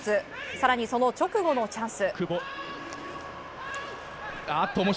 更に、その直後のチャンス。